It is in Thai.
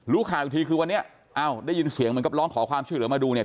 รู้ข่าวทีคือวันนี้อ้าวได้ยินเสียงมันก็ร้องขอความช่วยหรือไม่ดูเนี่ย